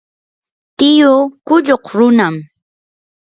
tiyuu qulluq runam.